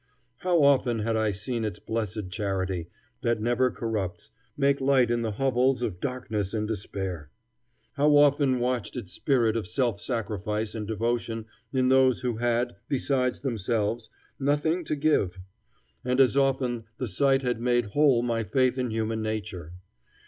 How often had I seen its blessed charity, that never corrupts, make light in the hovels of darkness and despair! how often watched its spirit of self sacrifice and devotion in those who had, besides themselves, nothing to give! and as often the sight had made whole my faith in human nature.